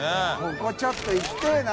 海ちょっと行きたいな。